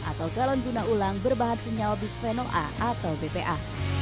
atau galon guna ulang berbahan senyawa bisphenom a atau bpa